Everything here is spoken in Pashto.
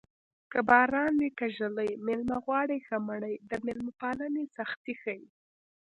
که باران وي که ږلۍ مېلمه غواړي ښه مړۍ د مېلمه پالنې سختي ښيي